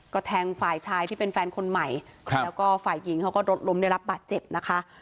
ก็แทงฝ่ายชายที่เป็นแฟนคนใหม่ครับแล้วก็ฝ่ายหญิงเขาก็รถล้มได้รับบาดเจ็บนะคะ